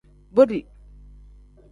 Boti.